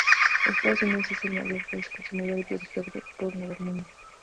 Estados Unidos es el mayor país consumidor y productor de porno del mundo.